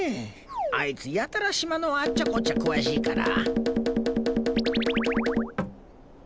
あいつやたら島のあっちゃこっちゃ詳しいから。